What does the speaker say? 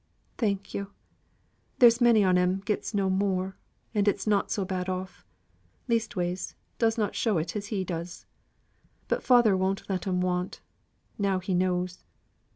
"Thank yo'. There's many on 'em gets no more, and is not so bad off, leastways does not show it as he does. But father won't let 'em want, now he knows.